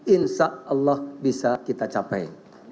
insya allah bisa kita capai